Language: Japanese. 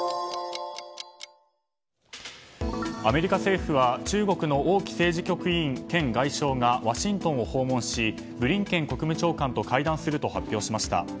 アメリカ政府は中国の王毅政治局委員兼外相がワシントンを訪問しブリンケン国務長官と会談すると発表しました。